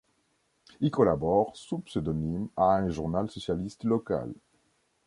Il collabore, sous pseudonyme, à un journal socialiste local.